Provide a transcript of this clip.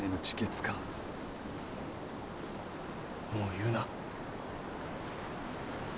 もう言うな。